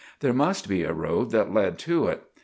There must be a road that led to it.